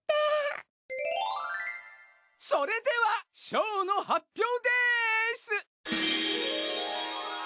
それでは賞の発表です。